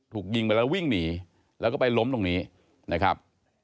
ถูกยิงไปแล้ววิ่งหนีแล้วก็ไปล้มตรงนี้นะครับ